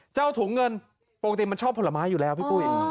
ถุงเงินปกติมันชอบผลไม้อยู่แล้วพี่ปุ้ย